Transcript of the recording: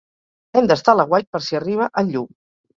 Hem d'estar a l'aguait per si arriba en Llu